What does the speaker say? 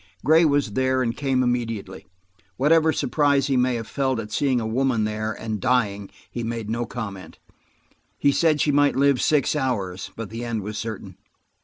Gray was there and came immediately. Whatever surprise he may have felt at seeing a woman there, and dying, he made no comment. He said she might live six hours, but the end was certain.